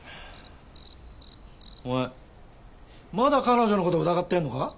お前まだ彼女の事を疑ってるのか？